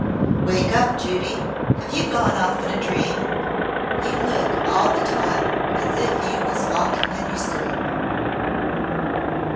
"Wake up, Judy; have you gone off in a dream? You look all the time as if you was walking in your sleep."